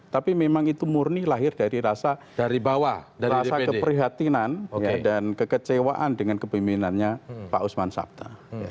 tapi memang itu murni lahir dari rasa keprihatinan dan kekecewaan dengan kepemimpinannya pak usman sabta